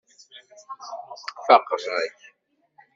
Faqeɣ-ak.